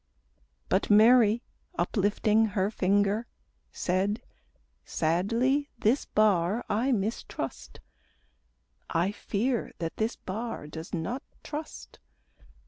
But Mary, uplifting her finger, Said: "Sadly this bar I mistrust, I fear that this bar does not trust.